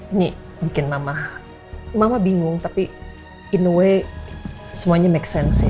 ini bikin mama mama bingung tapi in a way semuanya make sense sih